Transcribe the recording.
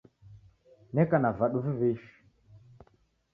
Neka na vadu viw'ishi